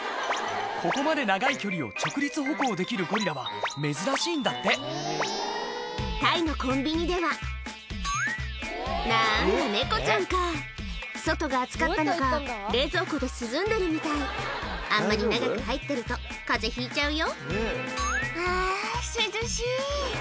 ここまで長い距離を直立歩行できるゴリラは珍しいんだってタイのコンビニではなんだ猫ちゃんか外が暑かったのか冷蔵庫で涼んでるみたいあんまり長く入ってると風邪ひいちゃうよ「あ涼しい」